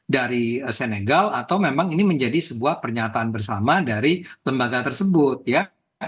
dari senegal atau memang ini menjadi sebuah pernyataan bersama dari lembaga tersebut ya